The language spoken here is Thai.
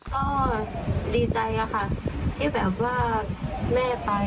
ก็ดีใจค่ะที่แบบว่าแม่ไป